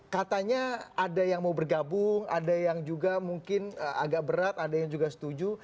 katanya ada yang mau bergabung ada yang juga mungkin agak berat ada yang juga setuju